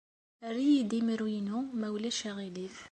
Err-iyi-d imru-inu, ma ulac aɣilif.